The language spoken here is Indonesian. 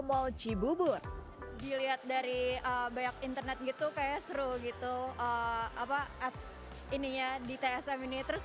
mall cibubur dilihat dari banyak internet gitu kayak seru gitu apa at ininya di tsm ini terus